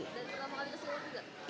dan pertama kali ke seaworld juga